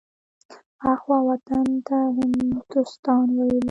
اخوا وطن ته هندوستان ويلو.